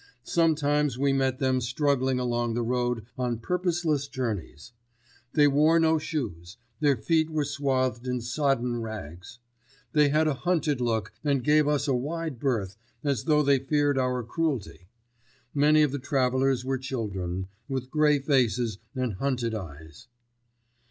Sometimes we met them struggling along the road on purposeless journeys. They wore no shoes; their feet were swathed in sodden rags. They had a hunted look and gave us a wide berth as though they feared our cruelty. Many of the travellers were children, with gray faces and hunted eyes.